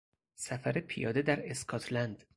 سفر پیاده در اسکاتلند